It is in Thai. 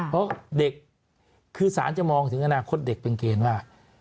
เพราะเด็กคือสารจะมองถึงอนาคตเด็กเป็นเกณฑ์ว่า